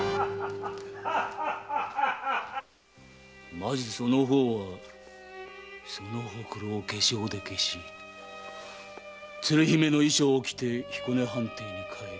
まずその方はそのほくろを化粧で消し鶴姫の衣装を着て彦根藩邸へ帰る。